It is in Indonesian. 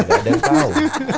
ada yang tau